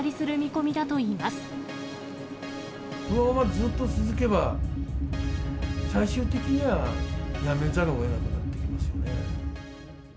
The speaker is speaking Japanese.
このままずっと続けば、最終的には、辞めざるをえなくなってきますよね。